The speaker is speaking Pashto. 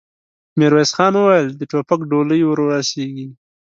ميرويس خان وويل: د ټوپک ډولۍ ور رسېږي؟